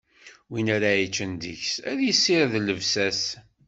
Win ara yeččen deg-s, ad issired llebsa-s.